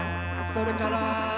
「それから」